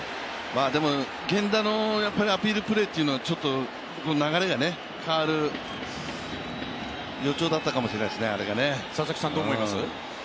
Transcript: でも源田のアピールプレーというのはちょっと流れが変わる予兆だったかもしれないですね、あれがね。